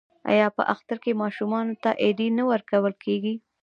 آیا په اختر کې ماشومانو ته ایډي نه ورکول کیږي؟